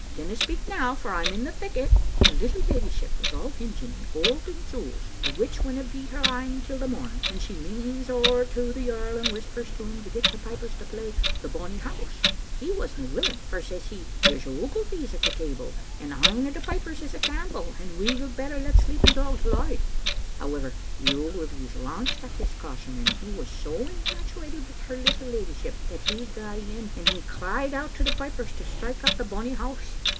Dinna speak now, for I'm in the thick o't. Her little leddyship was all hinging in gold and jewels, the which winna be her ain till the mom; and she leans ower to the earl and whispers to him to get the pipers to play *The Bonny House.* He wasna willing, for says he, * There's Ogilvys at the table, and ane o' the pipers is a Campbell, and we'll better let sleeping dogs lie.' However, the Ogilvys lauched at his caution ; and he was so infatuated wi' her little leddyship that he gae in, and he cried out to the pipers to strike up *The Bonny House.